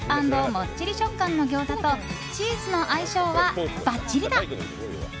もっちり食感の餃子とチーズの相性はばっちりだ！